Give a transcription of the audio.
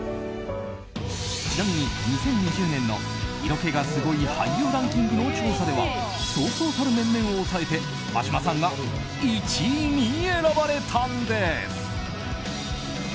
ちなみに２０２０年の色気がすごい俳優ランキングの調査ではそうそうたる面々を抑えて眞島さんが１位に選ばれたんです。